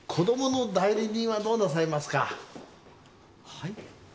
はい？